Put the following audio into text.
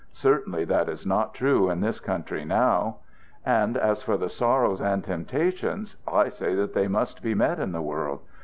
Certainly that is not true in this country now. And as for the sorrows and temptations, I say that they must be met in the world.